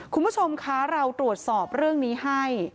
คุณผู้ชมคะเราตรวจสอบเรื่องนี้ให้